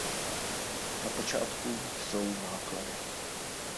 Na počátku jsou náklady.